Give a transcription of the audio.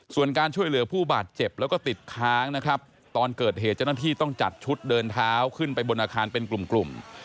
ส่วนการช่วยเหลือผู้บาดเจ็บแล้วก็ติดค้างนะครับตอนเกิดเหตุเจ้าหน้าที่ต้องจัดชุดเดินเท้าขึ้นไปบนอาคารเป็นกลุ่ม